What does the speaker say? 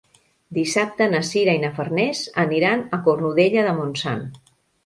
Dissabte na Sira i na Farners aniran a Cornudella de Montsant.